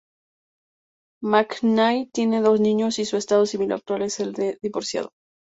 McKnight tiene dos niños y su estado civil actual es el de divorciado.